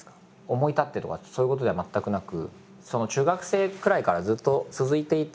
思い立ってとかそういうことでは全くなく。